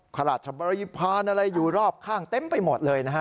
ราชบริพาณอะไรอยู่รอบข้างเต็มไปหมดเลยนะฮะ